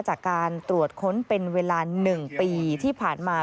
จากการตรวจค้นเป็นเวลา๑ปีที่ผ่านมา